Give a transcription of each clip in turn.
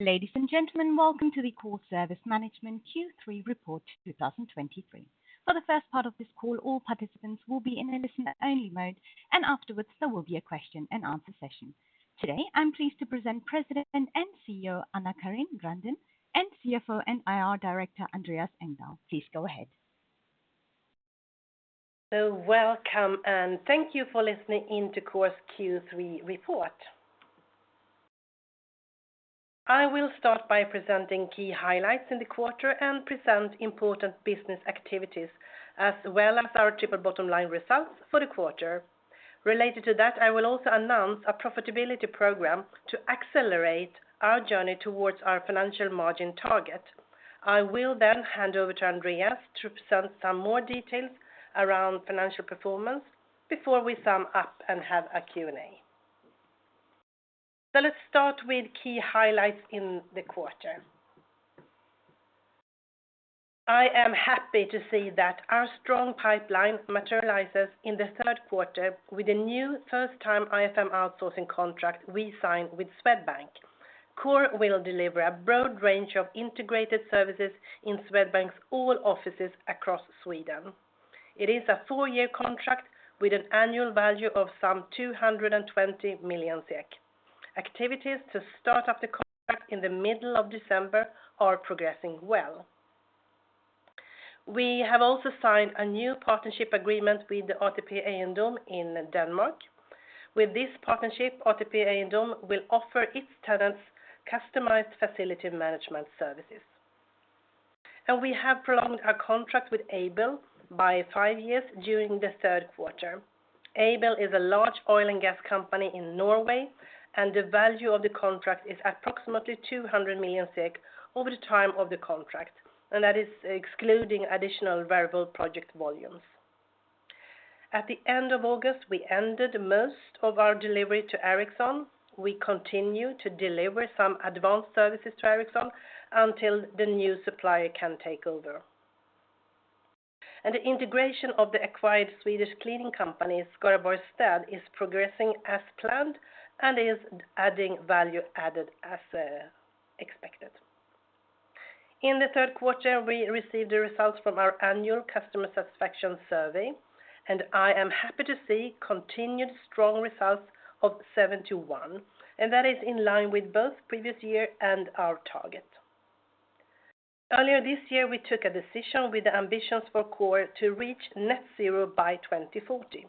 Ladies and gentlemen, welcome to the Coor Service Management Q3 Report 2023. For the first part of this call, all participants will be in a listen-only mode, and afterwards, there will be a question and answer session. Today, I'm pleased to present President and CEO AnnaCarin Grandin and CFO and IR Director Andreas Engdahl. Please go ahead. Welcome, and thank you for listening in to Coor's Q3 report. I will start by presenting key highlights in the quarter and present important business activities, as well as our triple bottom line results for the quarter. Related to that, I will also announce a profitability program to accelerate our journey towards our financial margin target. I will then hand over to Andreas to present some more details around financial performance before we sum up and have a Q&A. Let's start with key highlights in the quarter. I am happy to see that our strong pipeline materializes in the third quarter with a new first-time IFM outsourcing contract we signed with Swedbank. Coor will deliver a broad range of integrated services in Swedbank's all offices across Sweden. It is a four-year contract with an annual value of some 220 million SEK. Activities to start up the contract in the middle of December are progressing well. We have also signed a new partnership agreement with the ATP Ejendomme in Denmark. With this partnership, ATP Ejendomme will offer its tenants customized facility management services. We have prolonged our contract with Aibel by five years during the third quarter. Aibel is a large oil and gas company in Norway, and the value of the contract is approximately 200 million SEK over the time of the contract, and that is excluding additional variable project volumes. At the end of August, we ended most of our delivery to Ericsson. We continue to deliver some advanced services to Ericsson until the new supplier can take over. The integration of the acquired Swedish cleaning company, Skaraborgs Städ, is progressing as planned and is adding value added as expected. In the third quarter, we received the results from our annual customer satisfaction survey, and I am happy to see continued strong results of 71, and that is in line with both previous year and our target. Earlier this year, we took a decision with the ambitions for Coor to reach net zero by 2040.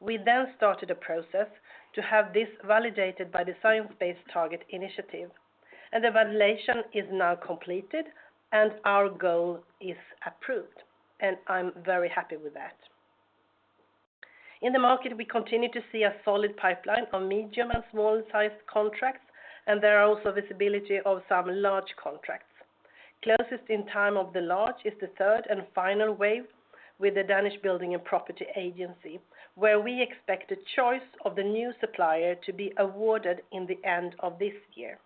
We then started a process to have this validated by the Science Based Targets initiative, and the validation is now completed and our goal is approved, and I'm very happy with that. In the market, we continue to see a solid pipeline of medium and small-sized contracts, and there are also visibility of some large contracts. Closest in time of the large is the third and final wave with the Danish Building and Property Agency, where we expect the choice of the new supplier to be awarded in the end of this year.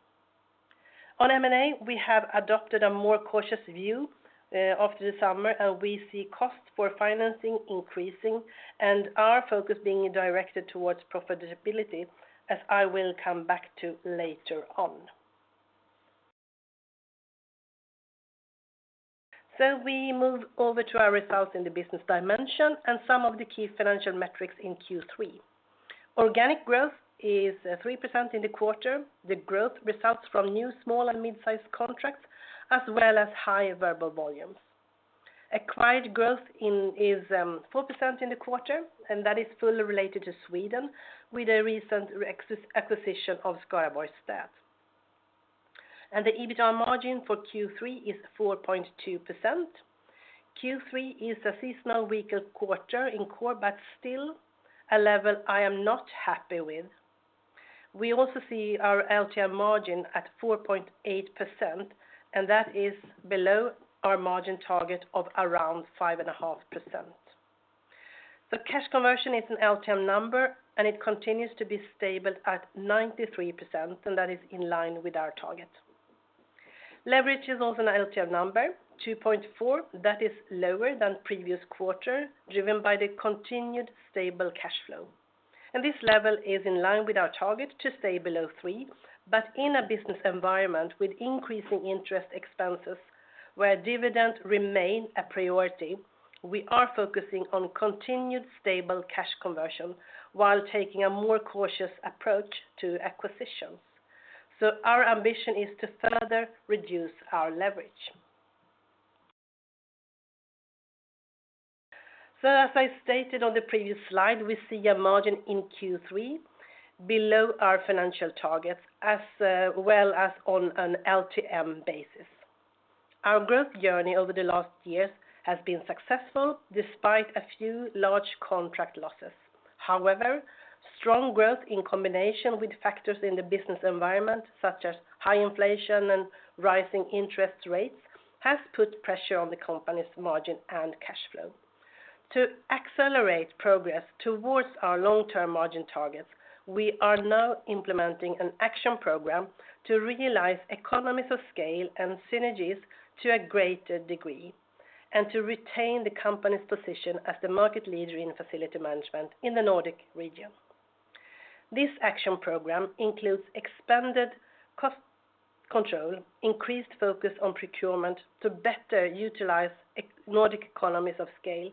On M&A, we have adopted a more cautious view after the summer. We see costs for financing increasing and our focus being directed towards profitability, as I will come back to later on. So we move over to our results in the business dimension and some of the key financial metrics in Q3. Organic growth is 3% in the quarter. The growth results from new small and mid-sized contracts, as well as high variable volumes. Acquired growth is 4% in the quarter, and that is fully related to Sweden with the recent acquisition of Skaraborgs Städ. And the EBITA margin for Q3 is 4.2%. Q3 is a seasonal weaker quarter in Coor, but still a level I am not happy with. We also see our LTM margin at 4.8%, and that is below our margin target of around 5.5%. The cash conversion is an LTM number, and it continues to be stable at 93%, and that is in line with our target. Leverage is also an LTM number, 2.4, that is lower than previous quarter, driven by the continued stable cash flow. And this level is in line with our target to stay below 3, but in a business environment with increasing interest expenses, where dividend remain a priority, we are focusing on continued stable cash conversion while taking a more cautious approach to acquisitions. So our ambition is to further reduce our leverage. So as I stated on the previous slide, we see a margin in Q3 below our financial targets, as, well as on an LTM basis. Our growth journey over the last years has been successful despite a few large contract losses. However, strong growth in combination with factors in the business environment, such as high inflation and rising interest rates, has put pressure on the company's margin and cash flow. To accelerate progress towards our long-term margin targets, we are now implementing an action program to realize economies of scale and synergies to a greater degree... and to retain the company's position as the market leader in facility management in the Nordic region. This action program includes expanded cost control, increased focus on procurement to better utilize Nordic economies of scale,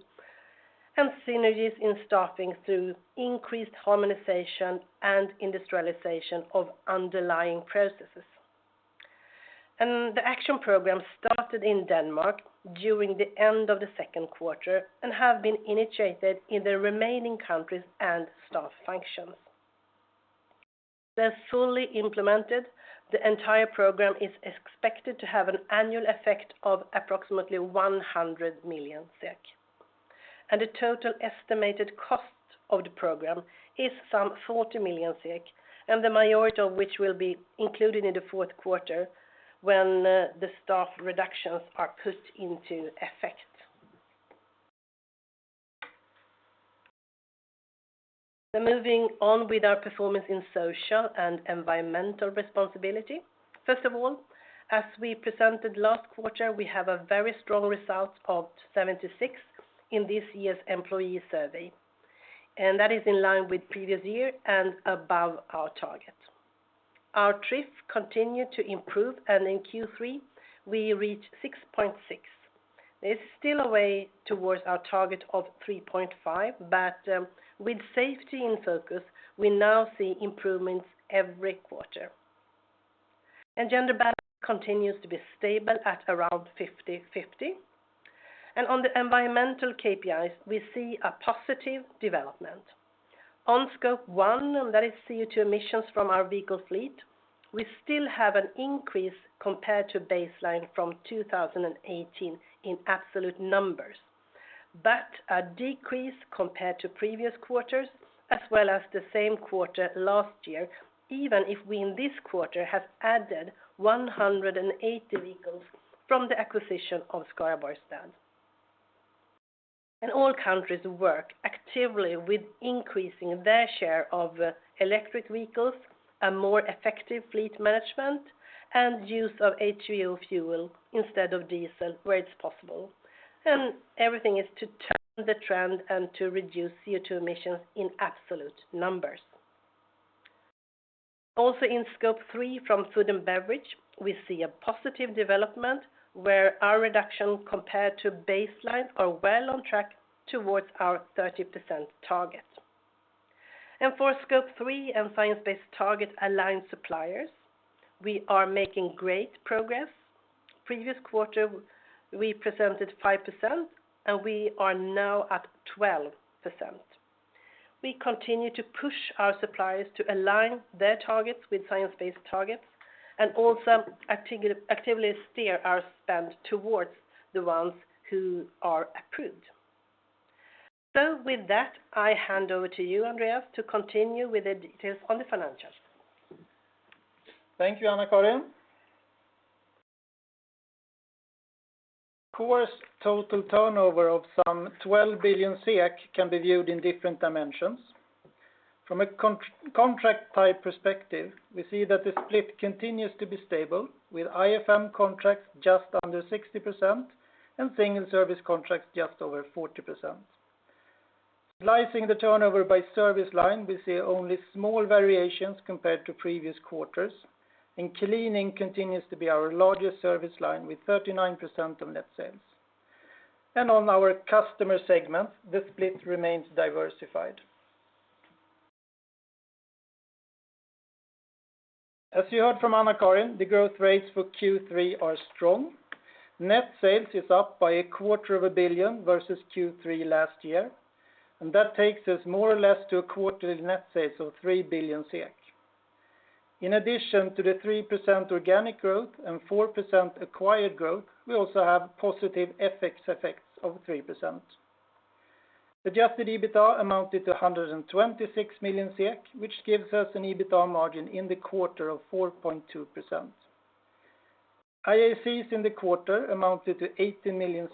and synergies in staffing through increased harmonization and industrialization of underlying processes. The action program started in Denmark during the end of the second quarter and have been initiated in the remaining countries and staff functions. When fully implemented, the entire program is expected to have an annual effect of approximately 100 million SEK, and the total estimated cost of the program is some 40 million SEK, and the majority of which will be included in the fourth quarter when the staff reductions are put into effect. Moving on with our performance in social and environmental responsibility. First of all, as we presented last quarter, we have a very strong result of 76 in this year's employee survey, and that is in line with previous year and above our target. Our TRIF continued to improve, and in Q3, we reached 6.6. There's still a way towards our target of 3.5, but with safety in focus, we now see improvements every quarter. Gender balance continues to be stable at around 50/50. On the environmental KPIs, we see a positive development. On Scope 1, and that is CO₂ emissions from our vehicle fleet, we still have an increase compared to baseline from 2018 in absolute numbers, but a decrease compared to previous quarters, as well as the same quarter last year, even if we in this quarter have added 180 vehicles from the acquisition of Skaraborgs Städ. All countries work actively with increasing their share of electric vehicles, a more effective fleet management, and use of HVO fuel instead of diesel, where it's possible. Everything is to turn the trend and to reduce CO₂ emissions in absolute numbers. Also, in Scope 3, from food and beverage, we see a positive development, where our reduction compared to baseline are well on track towards our 30% target. For Scope 3 and science-based target aligned suppliers, we are making great progress. Previous quarter, we presented 5%, and we are now at 12%. We continue to push our suppliers to align their targets with science-based targets and also actively steer our spend towards the ones who are approved. With that, I hand over to you, Andreas, to continue with the details on the financials. Thank you, AnnaCarin. Quarter total turnover of some 12 billion SEK can be viewed in different dimensions. From a contract type perspective, we see that the split continues to be stable, with IFM contracts just under 60% and single service contracts just over 40%. Slicing the turnover by service line, we see only small variations compared to previous quarters, and cleaning continues to be our largest service line, with 39% of net sales. And on our customer segment, the split remains diversified. As you heard from AnnaCarin, the growth rates for Q3 are strong. Net sales is up by 250 million versus Q3 last year, and that takes us more or less to quarterly net sales of 3 billion SEK. In addition to the 3% organic growth and 4% acquired growth, we also have positive FX effects of 3%. Adjusted EBITDA amounted to 126 million SEK, which gives us an EBITDA margin in the quarter of 4.2%. IACs in the quarter amounted to 18 million.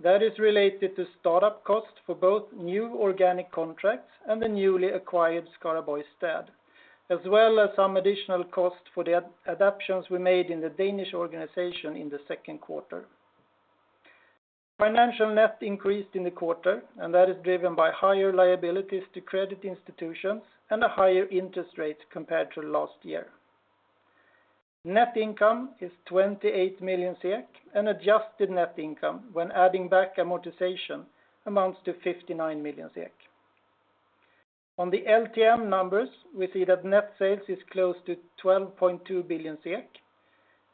That is related to start-up costs for both new organic contracts and the newly acquired Skaraborgs Städ, as well as some additional costs for the adaptations we made in the Danish organization in the second quarter. Financial net increased in the quarter, and that is driven by higher liabilities to credit institutions and a higher interest rate compared to last year. Net income is 28 million SEK, and adjusted net income, when adding back amortization, amounts to 59 million SEK. On the LTM numbers, we see that net sales is close to 12.2 billion SEK.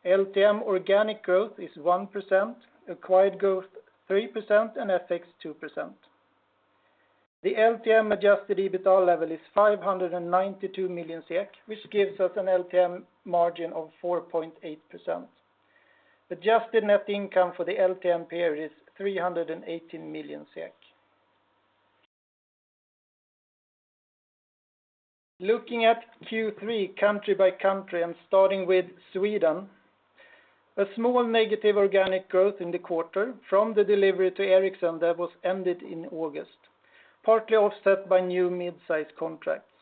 LTM organic growth is 1%, acquired growth 3%, and FX 2%. The LTM adjusted EBITDA level is 592 million SEK, which gives us an LTM margin of 4.8%. Adjusted net income for the LTM period is 318 million SEK. Looking at Q3 country by country and starting with Sweden, a small negative organic growth in the quarter from the delivery to Ericsson that was ended in August, partly offset by new mid-sized contracts.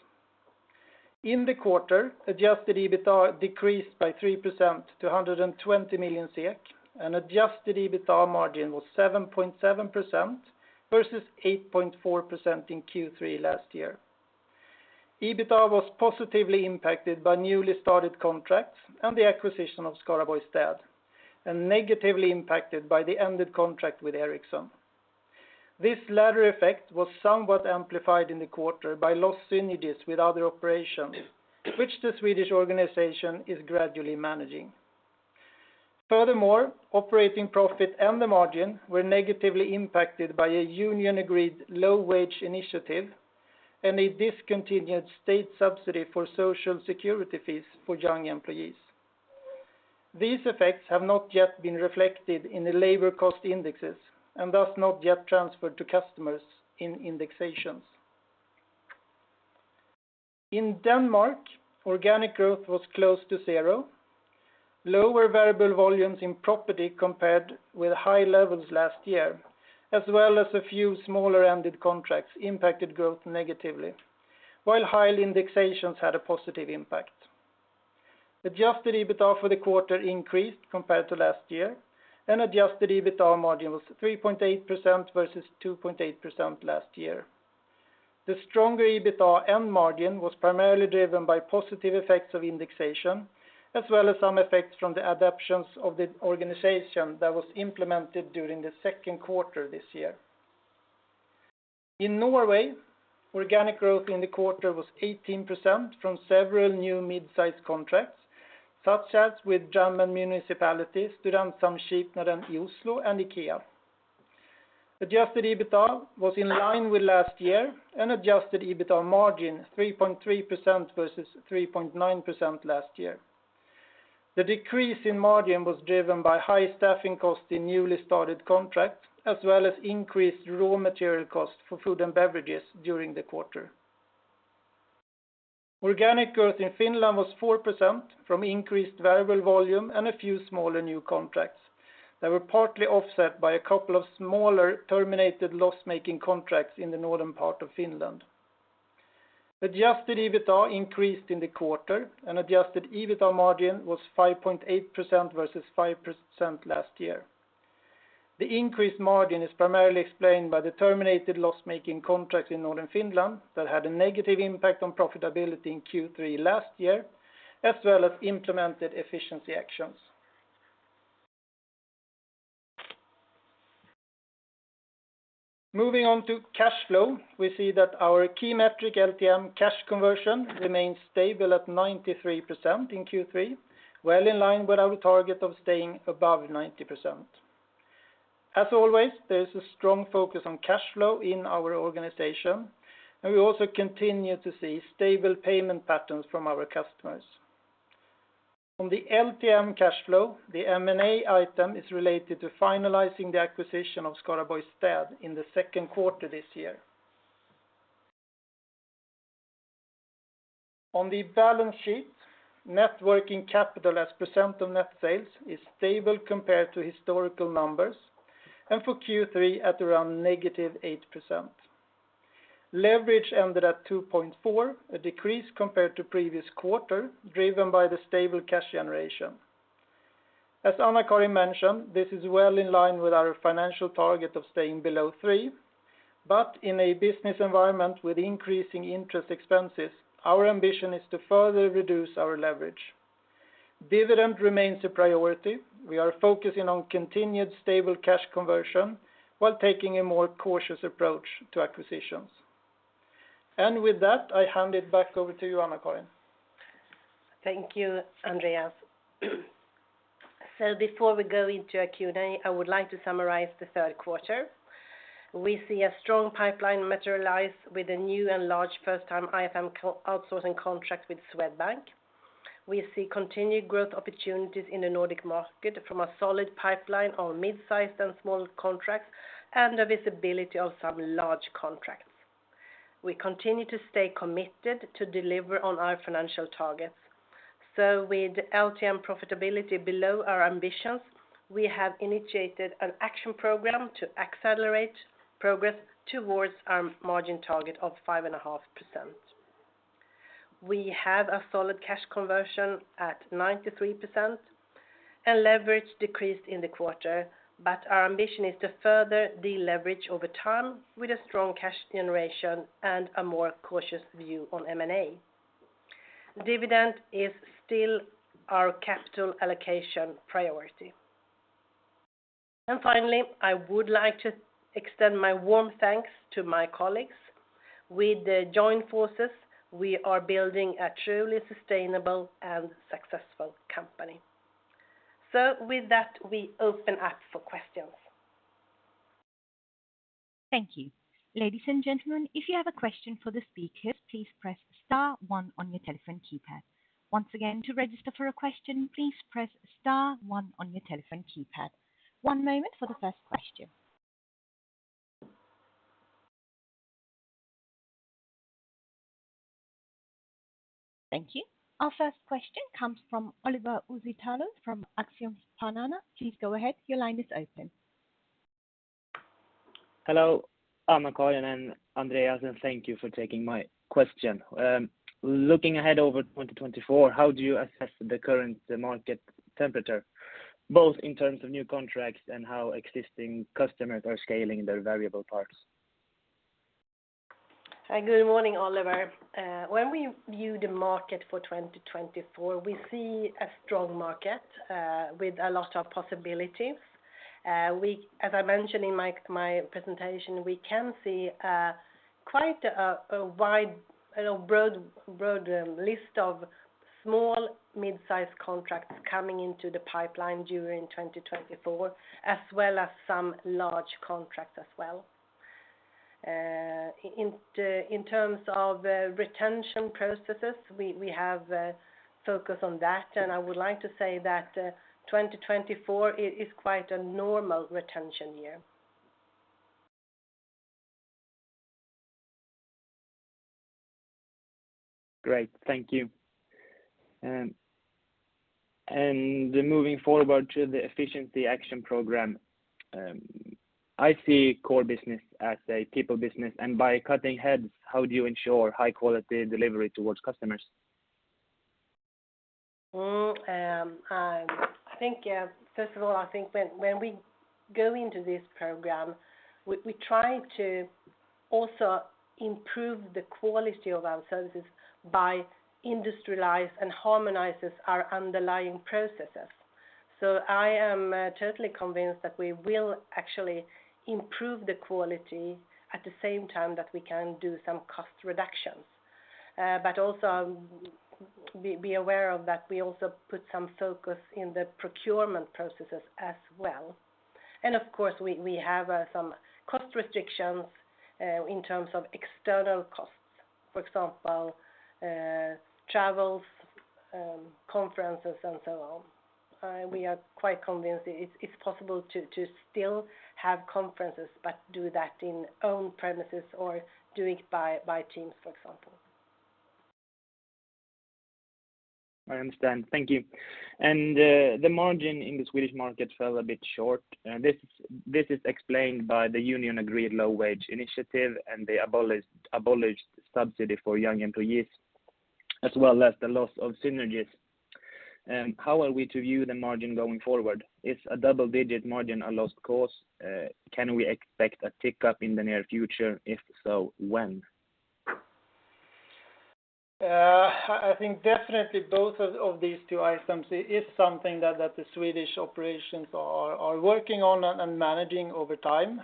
In the quarter, adjusted EBITDA decreased by 3% to 120 million SEK, and adjusted EBITDA margin was 7.7% versus 8.4% in Q3 last year. EBITDA was positively impacted by newly started contracts and the acquisition of Skaraborgs Städ, and negatively impacted by the ended contract with Ericsson. This latter effect was somewhat amplified in the quarter by lost synergies with other operations, which the Swedish organization is gradually managing. Furthermore, operating profit and the margin were negatively impacted by a union-agreed low-wage initiative and a discontinued state subsidy for social security fees for young employees. These effects have not yet been reflected in the labor cost indexes and thus not yet transferred to customers in indexations. In Denmark, organic growth was close to 0. Lower variable volumes in property compared with high levels last year, as well as a few smaller ended contracts, impacted growth negatively, while high indexations had a positive impact. Adjusted EBITDA for the quarter increased compared to last year, and adjusted EBITDA margin was 3.8% versus 2.8% last year. The stronger EBITDA and margin was primarily driven by positive effects of indexation, as well as some effects from the adaptations of the organization that was implemented during the second quarter this year. In Norway, organic growth in the quarter was 18% from several new mid-size contracts, such as with Drammen Municipalities, Studentsamskipnaden i Oslo, and IKEA. Adjusted EBITDA was in line with last year, and adjusted EBITDA margin 3.3% versus 3.9% last year. The decrease in margin was driven by high staffing costs in newly started contracts, as well as increased raw material costs for food and beverages during the quarter. Organic growth in Finland was 4% from increased variable volume and a few smaller new contracts that were partly offset by a couple of smaller terminated loss-making contracts in the northern part of Finland. Adjusted EBITDA increased in the quarter, and adjusted EBITDA margin was 5.8% versus 5% last year. The increased margin is primarily explained by the terminated loss-making contracts in northern Finland that had a negative impact on profitability in Q3 last year, as well as implemented efficiency actions. Moving on to cash flow, we see that our key metric, LTM cash conversion, remains stable at 93% in Q3, well in line with our target of staying above 90%. As always, there is a strong focus on cash flow in our organization, and we also continue to see stable payment patterns from our customers. On the LTM cash flow, the M&A item is related to finalizing the acquisition of Skaraborgs Städ in the second quarter this year. On the balance sheet, net working capital as percent of net sales is stable compared to historical numbers, and for Q3 at around -8%. Leverage ended at 2.4, a decrease compared to previous quarter, driven by the stable cash generation. As AnnaCarin mentioned, this is well in line with our financial target of staying below 3, but in a business environment with increasing interest expenses, our ambition is to further reduce our leverage. Dividend remains a priority. We are focusing on continued stable cash conversion while taking a more cautious approach to acquisitions. With that, I hand it back over to you, AnnaCarin. Thank you, Andreas. So before we go into our Q&A, I would like to summarize the third quarter. We see a strong pipeline materialize with a new and large first-time IFM co-outsourcing contract with Swedbank. We see continued growth opportunities in the Nordic market from a solid pipeline of mid-sized and small contracts and the visibility of some large contracts. We continue to stay committed to deliver on our financial targets. So with LTM profitability below our ambitions, we have initiated an action program to accelerate progress towards our margin target of 5.5%. We have a solid cash conversion at 93%, and leverage decreased in the quarter, but our ambition is to further deleverage over time with a strong cash generation and a more cautious view on M&A. Dividend is still our capital allocation priority. Finally, I would like to extend my warm thanks to my colleagues. With the joint forces, we are building a truly sustainable and successful company. With that, we open up for questions. Thank you. Ladies and gentlemen, if you have a question for the speakers, please press star one on your telephone keypad. Once again, to register for a question, please press star one on your telephone keypad. One moment for the first question. Thank you. Our first question comes from Oliver Uzitanu from Axiom Panana. Please go ahead. Your line is open. Hello, AnnaCarin and Andreas, and thank you for taking my question. Looking ahead over 2024, how do you assess the current market temperature, both in terms of new contracts and how existing customers are scaling their variable parts? Hi, good morning, Oliver. When we view the market for 2024, we see a strong market with a lot of possibilities. As I mentioned in my presentation, we can see quite a wide, you know, broad list of small mid-sized contracts coming into the pipeline during 2024, as well as some large contracts as well. In terms of retention processes, we have focus on that, and I would like to say that 2024 is quite a normal retention year. Great. Thank you. Moving forward to the efficiency action program, I see Coor business as a people business, and by cutting heads, how do you ensure high quality delivery towards customers? I think, first of all, I think when we go into this program, we try to also improve the quality of our services by industrialize and harmonizes our underlying processes. So I am totally convinced that we will actually improve the quality at the same time that we can do some cost reductions. But also be aware that we also put some focus in the procurement processes as well. And of course, we have some cost restrictions in terms of external costs, for example, travels, conferences, and so on. We are quite convinced it's possible to still have conferences, but do that in own premises or doing it by teams, for example. I understand. Thank you. And, the margin in the Swedish market fell a bit short, and this, this is explained by the union agreed low wage initiative and the abolished subsidy for young employees, as well as the loss of synergies. How are we to view the margin going forward? Is a double-digit margin a lost cause? Can we expect a tick-up in the near future? If so, when? I think definitely both of these two items, it is something that the Swedish operations are working on and managing over time.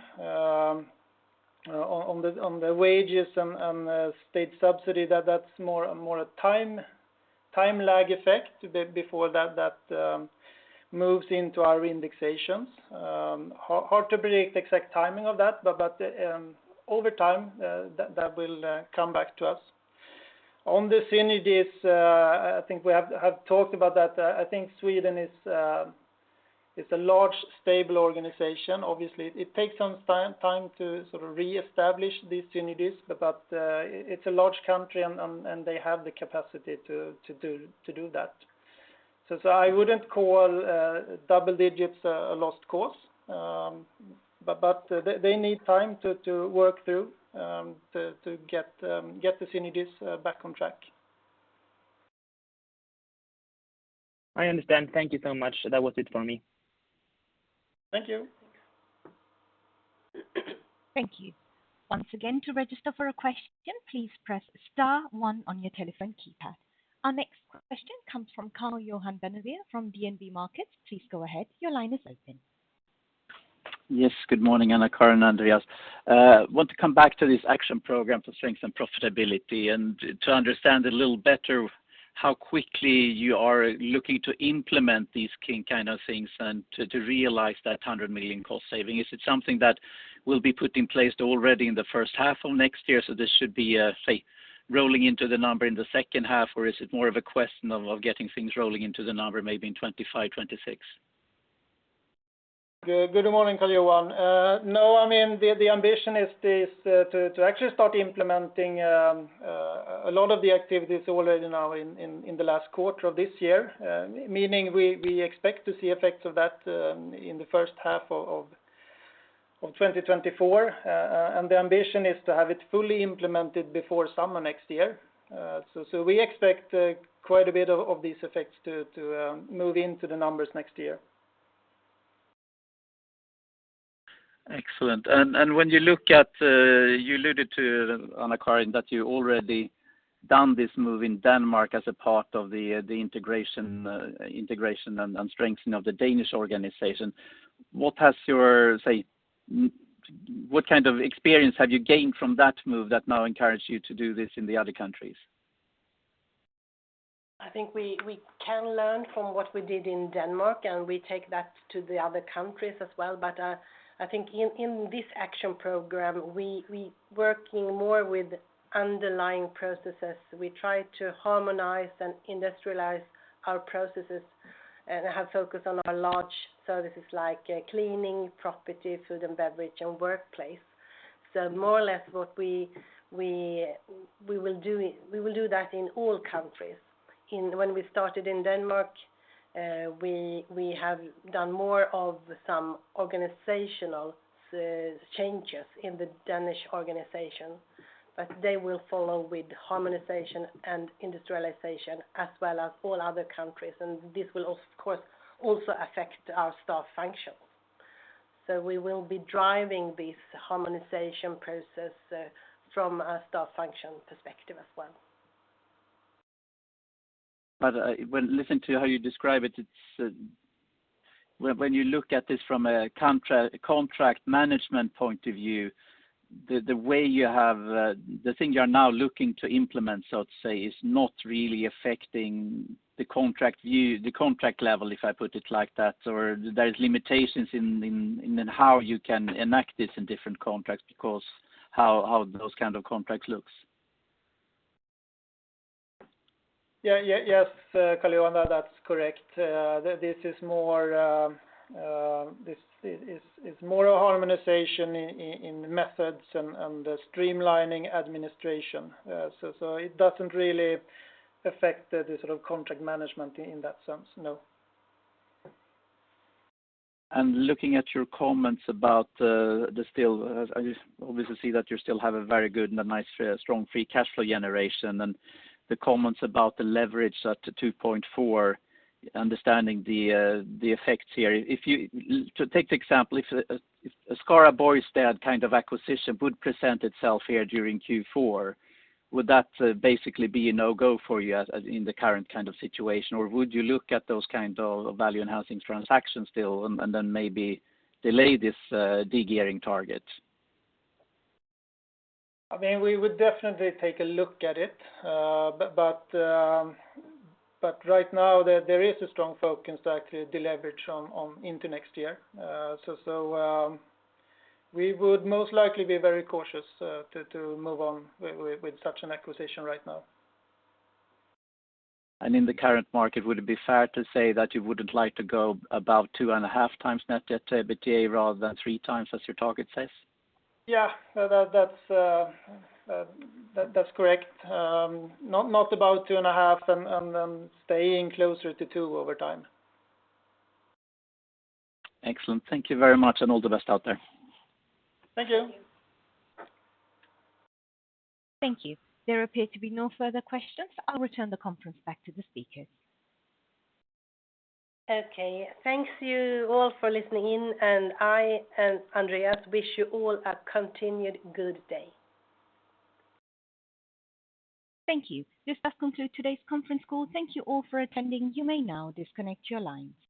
On the wages and state subsidy, that's more a time lag effect before that moves into our indexations. Hard to predict the exact timing of that, but over time, that will come back to us. On the synergies, I think we have talked about that. I think Sweden is a large, stable organization. Obviously, it takes some time to sort of reestablish the synergies, but it's a large country, and they have the capacity to do that. So I wouldn't call double digits a lost cause. But they need time to work through to get the synergies back on track. I understand. Thank you so much. That was it for me. Thank you. Thank you. Once again, to register for a question, please press star one on your telephone keypad. Our next question comes from Carl Johan Benneville from DNB Markets. Please go ahead. Your line is open. Yes, good morning, AnnaCarin and Andreas. Want to come back to this action program to strengthen profitability and to understand a little better how quickly you are looking to implement these key kind of things and to realize that 100 million cost saving. Is it something that will be put in place already in the first half of next year, so this should be, say, rolling into the number in the second half, or is it more of a question of getting things rolling into the number, maybe in 2025, 2026? Good morning, Carl Johan. No, I mean, the ambition is this, to actually start implementing a lot of the activities already now in the last quarter of this year. Meaning we expect to see effects of that in the first half of 2024. And the ambition is to have it fully implemented before summer next year. So we expect quite a bit of these effects to move into the numbers next year. Excellent. And when you look at, you alluded to, AnnaCarin, that you already done this move in Denmark as a part of the integration, integration and strengthening of the Danish organization. What kind of experience have you gained from that move that now encourage you to do this in the other countries? I think we can learn from what we did in Denmark, and we take that to the other countries as well. But I think in this action program, we working more with underlying processes. We try to harmonize and industrialize our processes, and have focused on our large services like cleaning, property, food and beverage, and workplace. So more or less what we will do, we will do that in all countries. When we started in Denmark, we have done more of some organizational changes in the Danish organization, but they will follow with harmonization and industrialization as well as all other countries, and this will, of course, also affect our staff function. So we will be driving this harmonization process from a staff function perspective as well. But when listening to how you describe it, it's when you look at this from a contract management point of view, the way you have the thing you are now looking to implement, so to say, is not really affecting the contract view, the contract level, if I put it like that, or there is limitations in how you can enact this in different contracts because how those kind of contracts looks? Yeah, yeah, yes, Carl Johan, that's correct. This is more a harmonization in methods and streamlining administration. So, it doesn't really affect the sort of contract management in that sense, no. Looking at your comments about the still, I just obviously see that you still have a very good and a nice strong free cash flow generation and the comments about the leverage up to 2.4, understanding the effects here. If you—to take the example, if a Skaraborgs Städ kind of acquisition would present itself here during Q4, would that basically be a no-go for you as in the current kind of situation? Or would you look at those kinds of value-enhancing transactions still and then maybe delay this de-gearing target? I mean, we would definitely take a look at it, but right now, there is a strong focus to actually deleverage on into next year. So, we would most likely be very cautious to move on with such an acquisition right now. In the current market, would it be fair to say that you wouldn't like to go about 2.5x net debt to EBITDA rather than 3x as your target says? Yeah, that's correct. Not about 2.5 and staying closer to 2 over time. Excellent. Thank you very much, and all the best out there. Thank you. Thank you. Thank you. There appear to be no further questions. I'll return the conference back to the speakers. Okay. Thank you all for listening in, and I and Andreas wish you all a continued good day. Thank you. This does conclude today's conference call. Thank you all for attending. You may now disconnect your lines.